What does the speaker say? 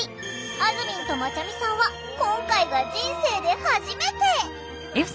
あずみんとまちゃみさんは今回が人生で初めて！